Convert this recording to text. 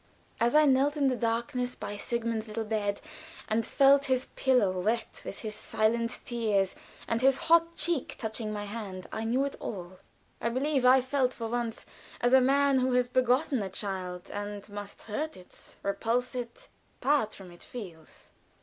As I knelt in the darkness by Sigmund's little bed, and felt his pillow wet with his silent tears, and his hot cheek touching my hand, I knew it all. I believe I felt for once as a man who has begotten a child and must hurt it, repulse it, part from it, feels.